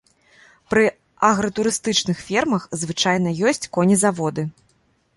Пры агратурыстычных фермах звычайна ёсць конезаводы.